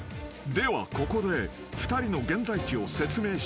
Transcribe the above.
［ではここで２人の現在地を説明しよう］